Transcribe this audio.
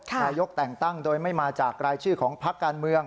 นายกแต่งตั้งโดยไม่มาจากรายชื่อของพักการเมือง